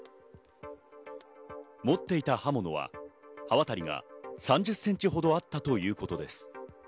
持っていた刃物は刃渡りが３０ｃｍほどあったということです。